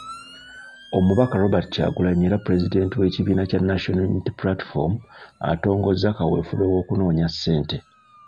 Omubaka Robert Kyagulanyi era Pulezidenti w’ekibiina kya National Unity Platform atongozza kaweefube w’okunoonya ssente.